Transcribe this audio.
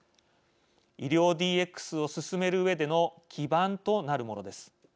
医療ＤＸを進めるうえでの基盤となるものです。